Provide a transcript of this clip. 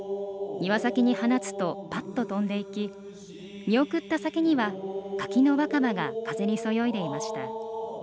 庭先に放つとパッと飛んでいき見送った先には柿の若葉が風にそよいでいました。